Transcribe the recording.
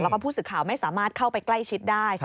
แล้วก็ผู้สื่อข่าวไม่สามารถเข้าไปใกล้ชิดได้